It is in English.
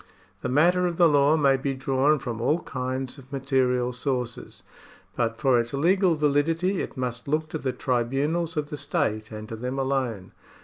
The matter of the law may be drawn from all kinds of material sources, but for its legal validity it must look to the tribunals of the state and to them alone.